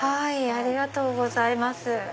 ありがとうございます。